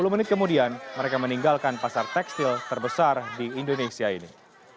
sepuluh menit kemudian mereka meninggalkan pasar tekstil terbesar di indonesia ini